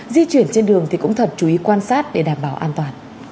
di chuyển trên đường thì cũng thật chú ý quan sát để đảm bảo an toàn